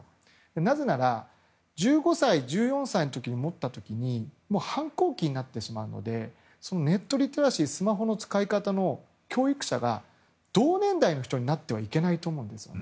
なぜなら、１５歳、１４歳の時に持った時もう反抗期になってしまうのでネットリテラシースマホの使い方の教育者が同年代の人になってはいけないと思うんです。